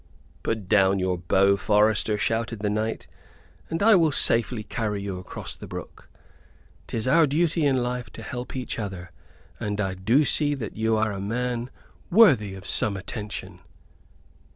"Put down your bow, forester," shouted the knight, "and I will safely carry you across the brook. 'Tis our duty in life to help each other, and I do see that you are a man worthy of some attention."